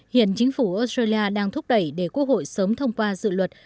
hiện chính phủ australia đang thúc đẩy để quốc hội sớm thông qua dự luật